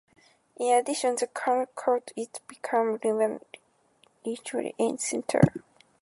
In addition, the count's court in Troyes became a renowned literary center.